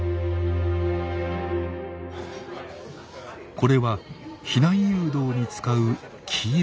これは避難誘導に使う黄色い旗。